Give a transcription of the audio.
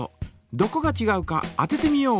どこがちがうか当ててみよう！